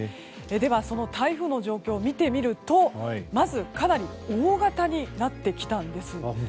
では、その台風の状況を見てみるとまず、かなり大型になってきたんです。